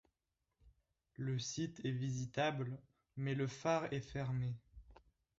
Le site est visitable mais le phare est fermé.